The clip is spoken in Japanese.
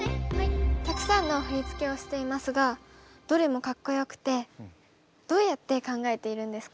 たくさんの振付をしていますがどれもかっこよくてどうやって考えているんですか？